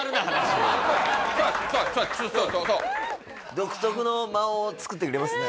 独特の間を作ってくれますね。